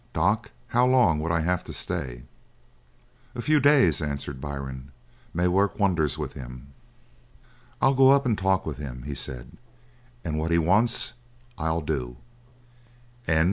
Doc, how long would I have to stay?" "A few days," answered Byrne, "may work wonders with him." The other hesitated. "I'll go up and talk with him," he said, "and what he wants I'll do."